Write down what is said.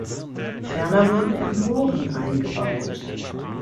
Ferner wurden Emporen eingebaut.